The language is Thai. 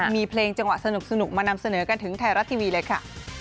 มีเพลงจังหวะสนุกมานำเสนอกันถึงไทยรัฐทีวีเลยค่ะ